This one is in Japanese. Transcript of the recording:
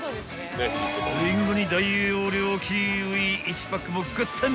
［りんごに大容量キウイ１パックもゴットン］